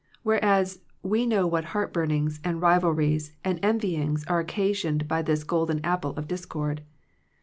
Whereas, we know what heartburnings, and rivalries, and envy ings, are occasioned by this golden apple of discord.